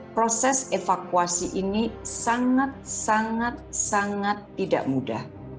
proses evakuasi ini sangat sangat tidak mudah